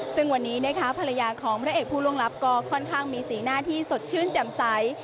ซึ่งวันนี้นะคะภรรยาของพระเอกผู้ล่วงลับก็ค่อนข้างมีสีหน้าที่สดชื่นแจ่มใส